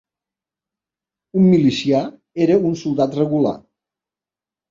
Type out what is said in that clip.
Un milicià era un soldat regular